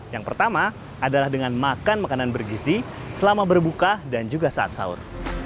yang pertama adalah dengan makan makanan bergizi selama berbuka dan juga saat sahur